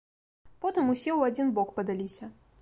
Потым усе ў адзін бок падаліся.